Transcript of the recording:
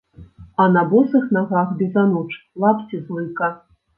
А на босых нагах, без ануч, лапці з лыка.